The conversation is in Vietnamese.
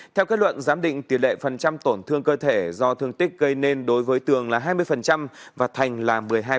theo kết luận giám định tiền lệ phần trăm tổn thương cơ thể do thương tích gây nên đối với tường là hai mươi và thành là một mươi hai